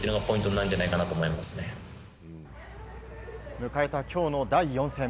迎えた今日の第４戦。